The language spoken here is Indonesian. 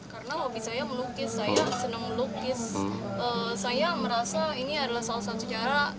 karena hobi saya melukis saya senang melukis